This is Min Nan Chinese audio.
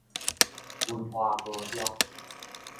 文華高中